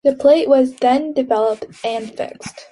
The plate was then developed and fixed.